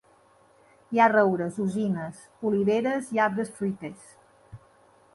Hi ha roures, alzines, oliveres i arbres fruiters.